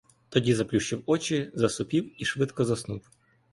Тоді заплющив очі, засопів і швидко заснув.